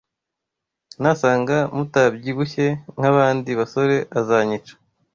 Nasanga mutabyibushye nk’abandi basore azanyica